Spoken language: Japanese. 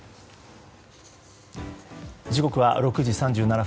時刻は６時３７分。